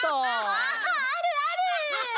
ああるある！